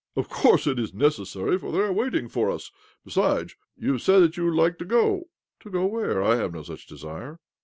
" Of course it is necessary, for they are waiting for us. Besides, you said that you would like to go." "To go where? I have no such desire."